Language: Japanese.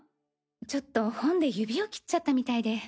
ちょっと本で指を切っちゃったみたいで。